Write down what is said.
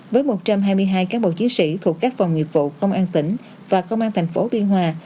với một trăm hai mươi hai cán bộ chiến sĩ thuộc các phòng nghiệp vụ công an tỉnh và công an thành phố biên hòa